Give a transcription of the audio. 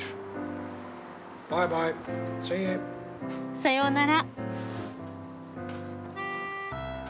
さようなら。